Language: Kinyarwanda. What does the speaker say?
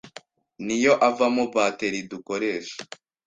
niyo avamo batterie dukoresha